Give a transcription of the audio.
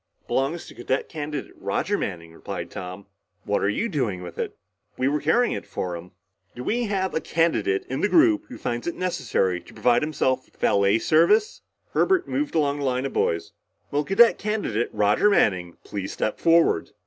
"Belongs to Cadet Candidate Roger Manning," replied Tom. "What are you doing with it?" "We were carrying it for him." "Do we have a candidate in the group who finds it necessary to provide himself with valet service?" Herbert moved along the line of boys. "Will Cadet Candidate Roger Manning please step forward?"